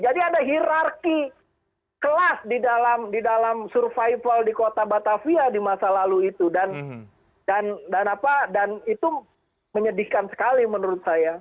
jadi ada hirarki kelas di dalam survival di kota batavia di masa lalu itu dan itu menyedihkan sekali menurut saya